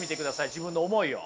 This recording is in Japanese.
自分の思いを。